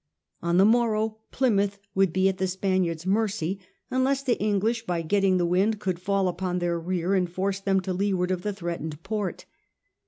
On the morrow Plymouth would be at the Spaniards' mercy, unless the English by getting the wind could fall upon their rear and force them to leeward of the threatened port.